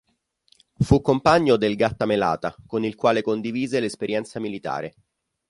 Fu compagno del Gattamelata con il quale condivise l'esperienza militare.